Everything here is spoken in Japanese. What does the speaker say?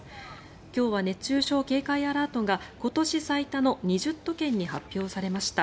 今日は熱中症警戒アラートが今年最多の２０都県に発表されました。